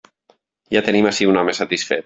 Ja tenim ací un home satisfet.